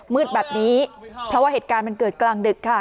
มืดแบบนี้เพราะว่าเหตุการณ์มันเกิดกลางดึกค่ะ